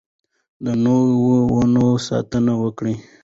د نويو ونو ساتنه وکړئ.